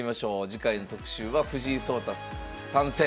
次回の特集は「藤井聡太参戦！